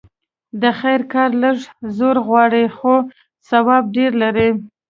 د خير کار لږ زور غواړي؛ خو ثواب ډېر لري.